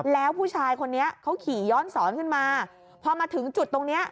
แล้วผู้ชายคนนี้เขาขี่ย้อนสอนขึ้นมาพอมาถึงจุดตรงเนี้ย